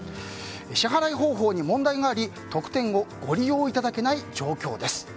支払い方法に問題があり特典をご利用いただけない状況です。